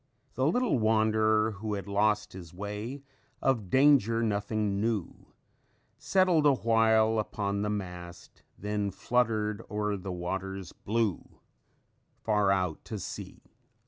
_ "_The little wanderer, who had lost His way, of danger nothing knew; Settled a while upon the mast; Then fluttered o'er the waters blue Far out at sea.